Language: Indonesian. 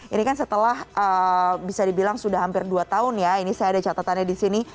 ini kan setelah bisa dibilang sudah hampir dua tahun ya ini saya ada catatannya di sini